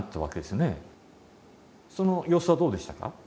その様子はどうでしたか？